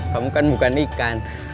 kamu kan bukan ikan